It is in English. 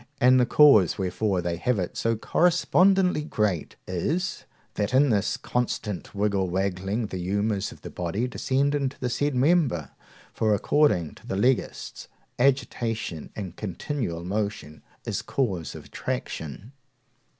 and the cause wherefore they have it so correspondently great is, that in this constant wig wagging the humours of the body descend into the said member. For, according to the Legists, agitation and continual motion is cause of attraction.